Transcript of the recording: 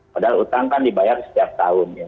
padahal utang kan dibayar setiap tahun ya